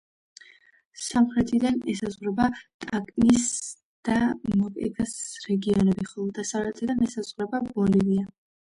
სამხრეთიდან ესაზღვრება ტაკნას და მოკეგას რეგიონები, ხოლო დასავლეთიდან ესაზღვრება ბოლივია.